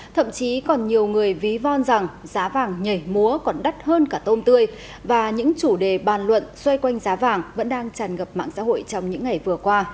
thậm chí còn nhiều người ví von rằng giá vàng nhảy múa còn đắt hơn cả tôm tươi và những chủ đề bàn luận xoay quanh giá vàng vẫn đang tràn ngập mạng xã hội trong những ngày vừa qua